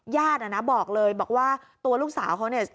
อ่ะนะบอกเลยบอกว่าตัวลูกสาวเขาเนี่ย